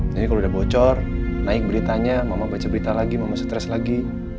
jadi kalau udah bocor naik beritanya mama baca berita lagi mama stress lagi